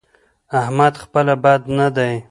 احمد خپله بد نه دی؛